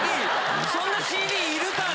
そんなＣＤいるかな？